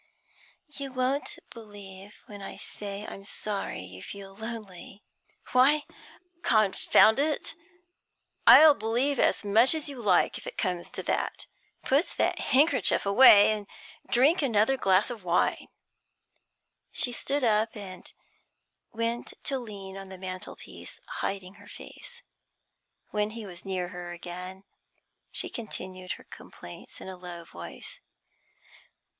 'You won't believe when I say I'm sorry you feel lonely.' 'Why, confound it, I'll believe as much as you like, if it comes to that. Put that handkerchief away, and drink another glass of wine.' She stood up, and went to lean on the mantelpiece, hiding her face. When he was near her again, she continued her complaints in a low voice.